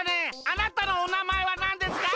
あなたのおなまえはなんですか？